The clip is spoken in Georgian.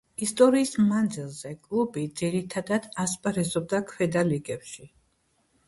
ისტორიის მანძილზე კლუბი ძირითადად ასპარეზობდა ქვედა ლიგებში.